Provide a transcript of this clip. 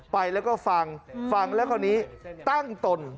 ไปแล้วก็ฟังฟังแล้วตั้งตน